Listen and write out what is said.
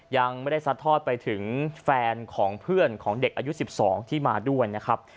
ยังไม่ได้ซัดทอดไปถึงแฟนของเพื่อนของเด็กอายุ๑๒ที่มาด้วยนะครับ